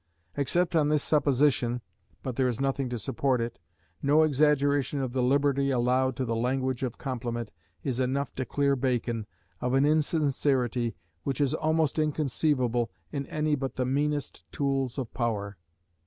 Except on this supposition (but there is nothing to support it), no exaggeration of the liberty allowed to the language of compliment is enough to clear Bacon of an insincerity which is almost inconceivable in any but the meanest tools of power.